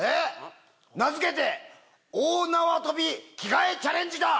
名付けて大縄跳び着替えチャレンジだ！